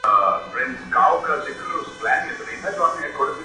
په يوه گړي كي جوړه هنگامه سوه؛